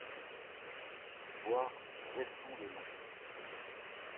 Voir Ressons-le-Long.